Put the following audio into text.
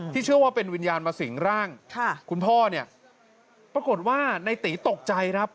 เชื่อว่าเป็นวิญญาณมาสิงร่างคุณพ่อเนี่ยปรากฏว่าในตีตกใจครับ